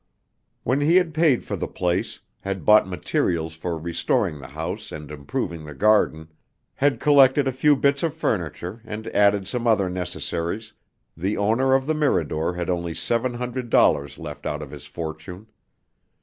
When he had paid for the place, had bought materials for restoring the house and improving the garden, had collected a few bits of furniture and added some other necessaries, the owner of the Mirador had only seven hundred dollars left out of his fortune.